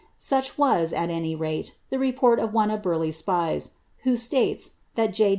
Such was, at any rate, the report of one of Burleigh's spies, who siaiee, that J.